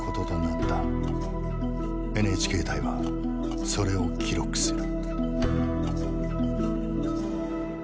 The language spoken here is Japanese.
ＮＨＫ隊はそれを記録する。